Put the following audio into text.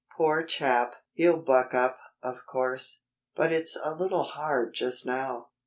"Poor chap! He'll buck up, of course. But it's a little hard just now."